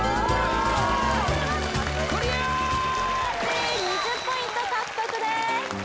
２０ポイント獲得です